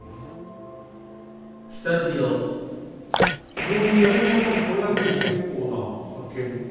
非常に援軍がいたってこれだけでも結構な発見だねえ。